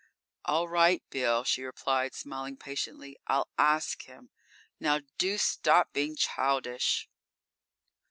"All right, Bill," she replied, smiling patiently. "I'll ask him. Now, do stop being childish."